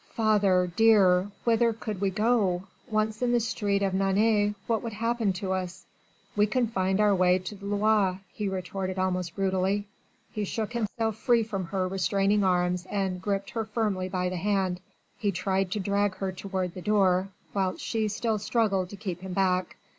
"Father, dear, whither could we go? Once in the streets of Nantes what would happen to us?" "We can find our way to the Loire!" he retorted almost brutally. He shook himself free from her restraining arms and gripped her firmly by the hand. He tried to drag her toward the door, whilst she still struggled to keep him back.